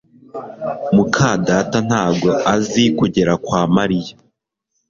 muka data ntabwo azi kugera kwa Mariya